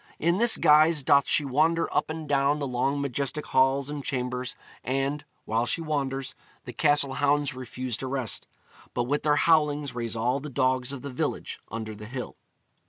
In this guise doth she wander up and down the long majestic halls and chambers, and, while she wanders, the castle hounds refuse to rest, but with their howlings raise all the dogs of the village under the hill.